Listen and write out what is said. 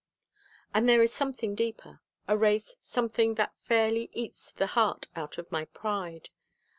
And there is something deeper a race something that fairly eats the heart out of my pride.